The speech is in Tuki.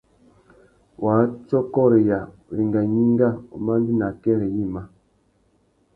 Wātsôkôreya, wenga gnïnga, umandēna akêrê yïmá.